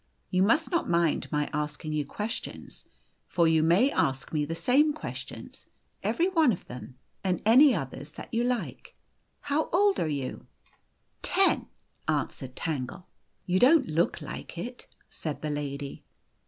You must not mind nay asking you questions, for you may ask me the same questions, every one of them, and any others that you like. How old are you ?"" Ten," answered Tangle. "You don't look like it," said the lady.